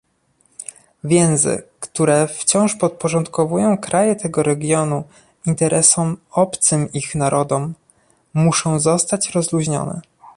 Więzy, które wciąż podporządkowują kraje tego regionu interesom obcym ich narodom, muszą zostać rozluźnione